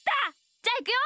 じゃあいくよ！